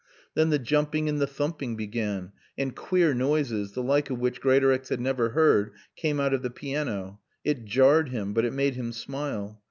Then the jumping and the thumping began; and queer noises, the like of which Greatorex had never heard, came out of the piano. It jarred him; but it made him smile.